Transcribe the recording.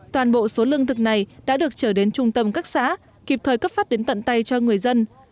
toàn bộ số lương thực này đã được trở đến trung tâm các xã kịp thời cấp phát đến tận tay cho người dân